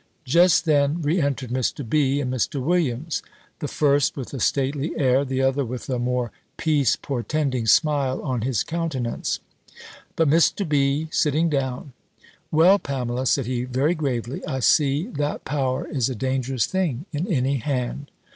Just then re entered Mr. B. and Mr. Williams: the first with a stately air, the other with a more peace portending smile on his countenance. But Mr. B. sitting down, "Well, Pamela," said he, very gravely, "I see that power is a dangerous thing in any hand."